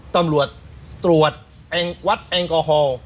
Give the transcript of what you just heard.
ตำรวจตรวจเองวัดแองกอฮอล